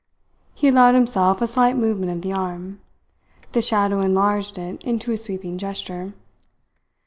He allowed himself a slight movement of the arm. The shadow enlarged it into a sweeping gesture.